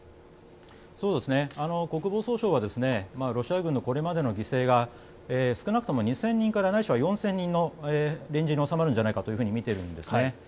国防総省はロシア軍のこれまでの犠牲が少なくとも２０００人からないし４０００人のレンジに収まるんじゃないかと見ているんですね。